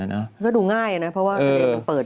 ก็ดูง่ายนะเพราะว่าคดีมันเปิด